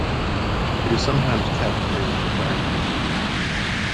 It is sometimes kept in aquariums.